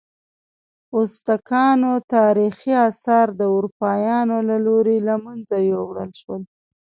ازتکانو تاریخي آثار د اروپایانو له لوري له منځه یوړل شول.